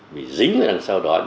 vì dính ở đằng sau đó